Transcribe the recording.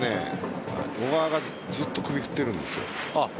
小川がずっと首を振ってるんです。